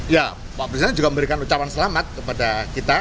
ya pak presiden juga memberikan ucapan selamat kepada kita